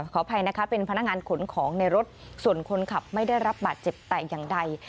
ขออภัยนะคะเป็นพนักงานขนของในรถส่วนคนขับไม่ได้รับบาดเจ็บแต่อย่างใด